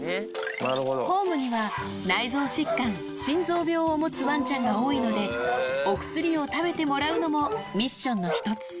ホームには内臓疾患、心臓病を持つワンちゃんが多いので、お薬を食べてもらうのもミッションの一つ。